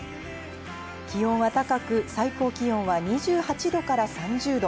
気温は高く、最高気温は２８度から３０度。